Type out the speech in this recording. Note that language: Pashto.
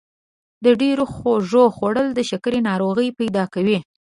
د ډېرو خوږو خوړل د شکر ناروغي پیدا کوي.